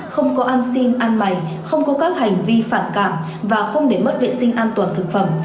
không có ăn xin ăn mày không có các hành vi phản cảm và không để mất vệ sinh an toàn thực phẩm